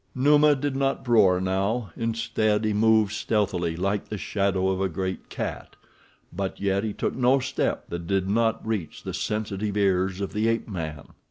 Numa did not roar now—instead, he moved stealthily, like the shadow of a great cat; but yet he took no step that did not reach the sensitive ears of the ape man.